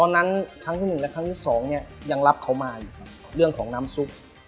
นายจะสำเร็จแล้วละคราวนี้